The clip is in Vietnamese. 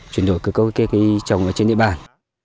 chuyển đổi cây ngô kém hiệu quả trồng ở trên địa bàn